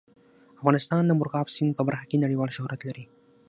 افغانستان د مورغاب سیند په برخه کې نړیوال شهرت لري.